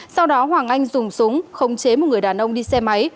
sau đó hoàng anh dùng súng khống chế một người đàn ông đi xe máy